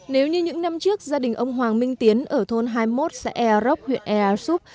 nếu như những năm trước gia đình ông hoàng minh tiến ở thôn hai mươi một sẽ e rốc huyện air soup